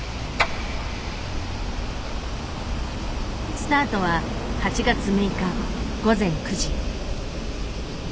スタートは８月６日午前９時。